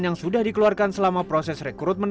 yang sudah dikeluarkan selama proses rekrutmen